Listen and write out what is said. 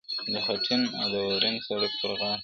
د خټین او د واورین سړک پر غاړه-!